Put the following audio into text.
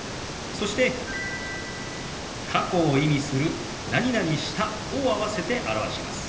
そして過去を意味する「した」を合わせて表します。